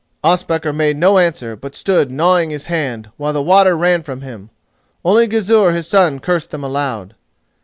Ospakar made no answer, but stood gnawing his hand, while the water ran from him. Only Gizur his son cursed them aloud.